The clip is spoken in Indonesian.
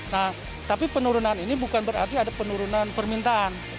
nah tapi penurunan ini bukan berarti ada penurunan permintaan